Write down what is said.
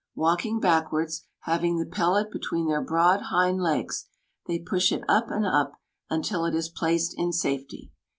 Walking backwards, having the pellet between their broad hind legs, they push it up and up until it is placed in safety.